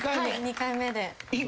２回目で。